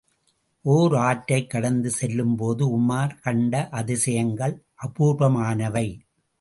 ஓர் ஆற்றைக் கடந்து செல்லும் போது உமார் கண்ட அதிசயங்கள் அபூர்வமானவை.